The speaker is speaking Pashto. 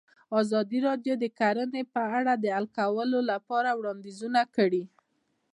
ازادي راډیو د کرهنه په اړه د حل کولو لپاره وړاندیزونه کړي.